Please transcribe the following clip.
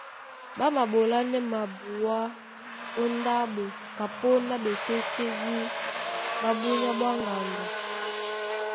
Ɓá maɓolánɛ́ mabuá ó ndáɓo kapóndá ɓetésédí ɓá búnyá ɓwá ŋgando,